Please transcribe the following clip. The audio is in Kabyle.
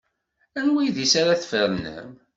Anwa idis ara tfernem?